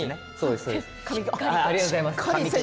ありがとうございます。